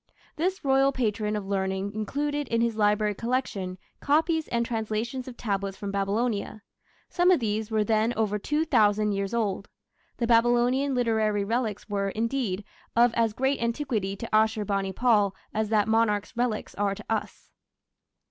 This royal patron of learning included in his library collection, copies and translations of tablets from Babylonia. Some of these were then over 2000 years old. The Babylonian literary relics were, indeed, of as great antiquity to Ashur bani pal as that monarch's relics are to us.